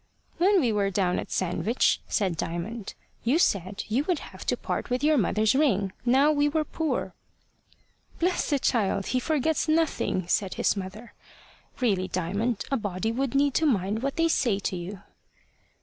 "When we were down at Sandwich," said Diamond, "you said you would have to part with your mother's ring, now we were poor." "Bless the child; he forgets nothing," said his mother. "Really, Diamond, a body would need to mind what they say to you."